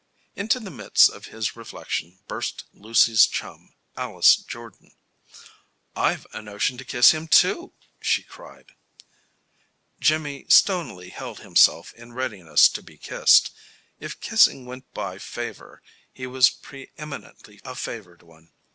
Into the midst of his reflections burst Lucy's chum, Alice Jordan. "I've a notion to kiss him, too!" she cried. Jimmy stonily held himself in readiness to be kissed. If kissing went by favor he was pre eminently a favored one.